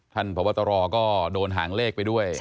ท่านพระบัตรรอก็โดนหางเลขไปด้วย